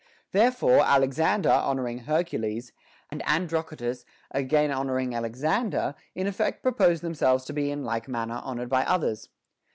Therefore Alexander honoring Hercules, and Androcottus again honoring Alexander, in effect pro posed themselves to be in like manner honored by others.